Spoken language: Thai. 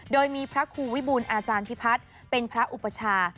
โดยมีพระครูวิบูรอาจารย์พิพัฒน์เป็นพระอุปชา